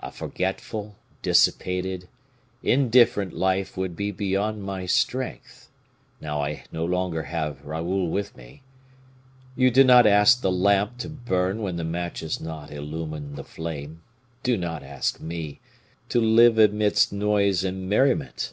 A forgetful, dissipated, indifferent life would be beyond my strength, now I have no longer Raoul with me. You do not ask the lamp to burn when the match has not illumed the flame; do not ask me to live amidst noise and merriment.